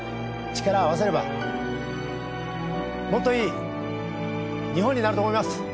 力を合わせればもっといい日本になると思います！